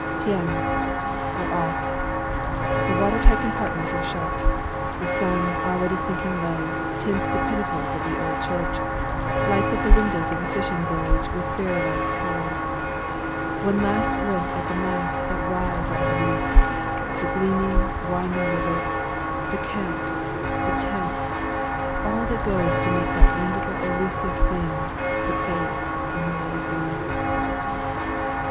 Tiens! We are off! The watertight compartments are shut. The sun, already sinking low, tints the pinnacles of the old church, lights up the windows of the fishing village with fairy like colours. One last look at the masts that rise out of the mists, the gleaming, winding river, the camps, the tents, all that goes to make that wonderful elusive thing "The Base" in the war zone.